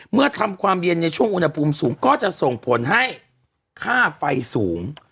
เมื่อทำความเย็นในช่วงอุณหภูมิสูงก็จะส่งผลให้ค่าไฟสูง